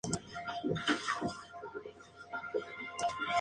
nosotros partiésemos